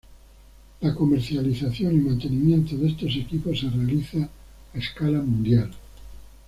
La comercialización y mantenimiento de estos equipos se realiza a escala mundial.